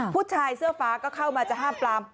ผู้ชายเสื้อฟ้าก็เข้ามาจะห้ามปลาม